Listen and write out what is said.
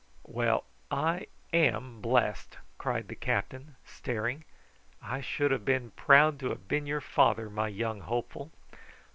"Well, I am blessed," cried the captain staring. "I should have been proud to have been your father, my young hopeful.